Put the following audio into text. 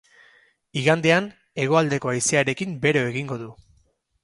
Igandean, hegoaldeko haizearekin bero egingo du.